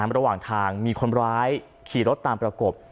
ระหว่างทางมีคนร้ายขี่รถตามประกบ